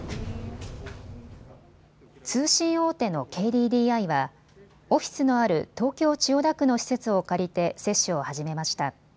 通信大手のＫＤＤＩはオフィスのある東京千代田区の施設を借りて接種を始めました。